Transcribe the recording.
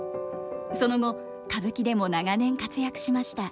その後歌舞伎でも長年活躍しました。